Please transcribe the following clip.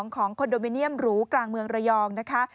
คอนโดมิเนียมหรูกลางเมืองระยองนะคะ